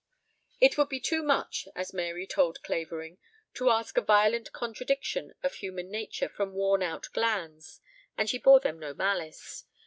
It would be too much, as Mary told Clavering, to ask a violent contradiction of human nature from worn out glands, and she bore them no malice.